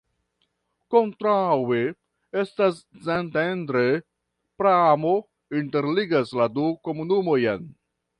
Kontraŭe estas Szentendre, pramo interligas la du komunumojn.